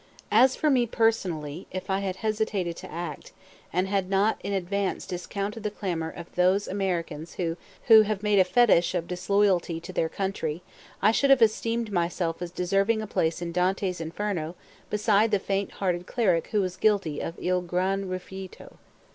As for me personally, if I had hesitated to act, and had not in advance discounted the clamor of those Americans who have made a fetish of disloyalty to their country, I should have esteemed myself as deserving a place in Dante's inferno beside the faint hearted cleric who was guilty of "il gran rifiuto."